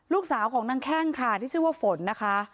ลูกสาวของนางแข้งค่ะที่ชื่อว่าฝนนะคะ